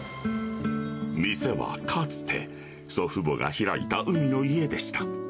店はかつて、祖父母が開いた海の家でした。